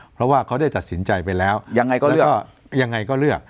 เพราะว่าเขาได้ตัดสินใจไปแล้วยังไงก็เลือก